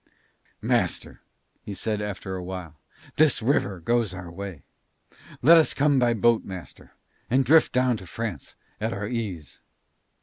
"Master," he said after a while, "this river goes our way. Let us come by boat, master, and drift down to France at our ease."